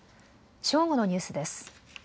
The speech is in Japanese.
正午のニュースです。